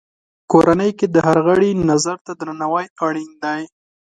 کورنۍ کې د هر غړي نظر ته درناوی اړین دی.